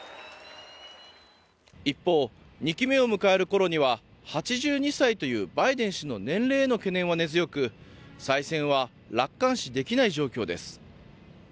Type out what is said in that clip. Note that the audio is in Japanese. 一方２期目を迎える頃には８２歳というバイデン氏の年齢への懸念は根強く再選は楽観視できない状況です。